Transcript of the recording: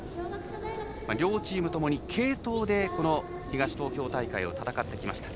両チームともに継投でこの東東京大会を戦ってきました。